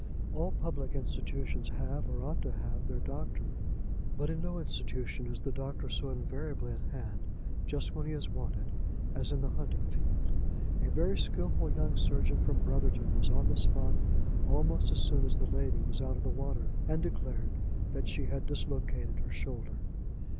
All public institutions have, or ought to have, their doctor, but in no institution is the doctor so invariably at hand, just when he is wanted, as in the hunting field. A very skilful young surgeon from Brotherton was on the spot almost as soon as the lady was out of the water, and declared that she had dislocated her shoulder.